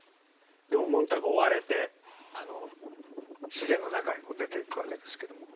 でもモンターグは追われて自然の中へ出ていくわけですけども。